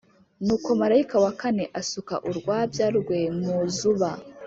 Nuko marayika wa kane asuka urwabya rwe mu zuba,